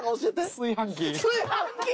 炊飯器！